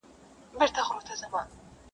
یاره ستا په خوله کي پښتنه ژبه شیرینه ده,